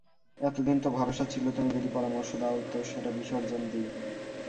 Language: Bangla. এতদিন তো ভরসা ছিল, তুমি যদি পরামর্শ দাও তো সেটা বিসর্জন দিই।